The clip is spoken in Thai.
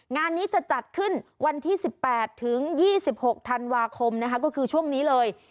งานนี้จะจัดขึ้นวันที่๑๘ถึง๒๖ธันวาคมนะคะก็คือช่วงนี้เลย